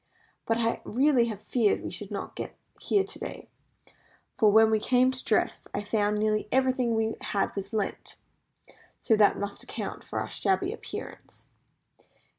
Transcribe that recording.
But I really feared we should not get here to day; for when we came to dress I found nearly everything we had was lent; so that must account for our shabby appearance."